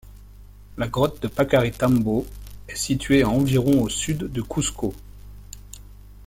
La grotte de Pacaritambo est située à environ au Sud de Cuzco.